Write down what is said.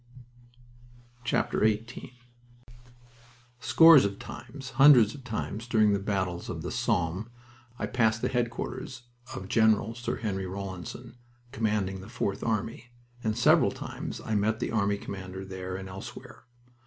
XVIII Scores of times, hundreds of times, during the battles of the Somme, I passed the headquarters of Gen. Sir Henry Rawlinson, commanding the Fourth Army, and several times I met the army commander there and elsewhere.